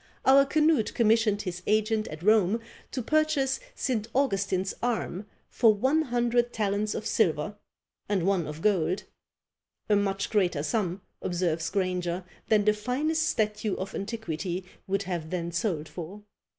Our Canute commissioned his agent at Rome to purchase St. Augustin's arm for one hundred talents of silver and one of gold; a much greater sum, observes Granger, than the finest statue of antiquity would have then sold for.